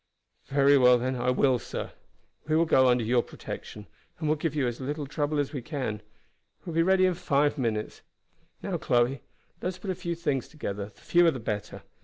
"Very well, then, I will, sir. We will go under your protection, and will give you as little trouble as we can. We will be ready in five minutes. Now, Chloe, let us put a few things together. The fewer the better.